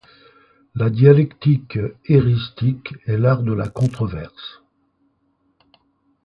La dialectique éristique est l'art de la controverse.